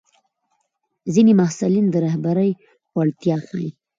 ځینې محصلین د رهبرۍ وړتیا ښيي.